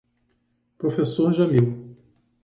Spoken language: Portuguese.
Professor Jamil